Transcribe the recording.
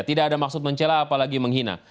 tidak ada maksud mencela apalagi menghina